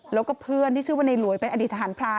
แล้วก็เพื่อนที่ชื่อว่าในหลวยเป็นอดีตทหารพราน